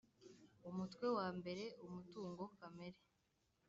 umutwe wa mbere umutungo kamere